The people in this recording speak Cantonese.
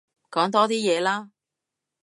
講多啲嘢啦